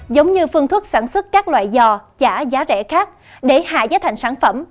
giống như phương thức sản xuất các loại giò chả giá rẻ khác để hạ giá thành sản phẩm